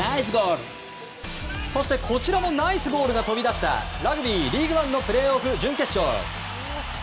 そして、こちらもナイスゴールが飛び出したラグビーリーグワンのプレーオフ準決勝。